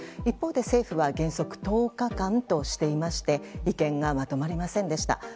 一方で政府は原則１０日間としていまして意見がまとまりませんでした。